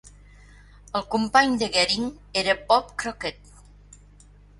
El company de Garing era Bob Crockett.